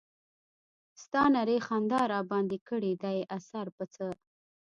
ستا نرۍ خندا راباندې کړے دے اثر پۀ څۀ